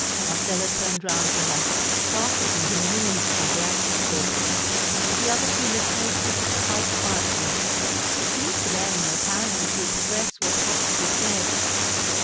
Marcella turned round to her, startled and amused by the adjective. But the other two listeners took it quite quietly. It seemed to them apparently to express what had to be said.